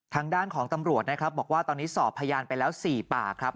ทางด้านของตำรวจนะครับบอกว่าตอนนี้สอบพยานไปแล้ว๔ปากครับ